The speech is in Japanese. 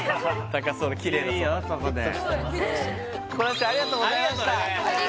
小夏ちゃんありがとうございました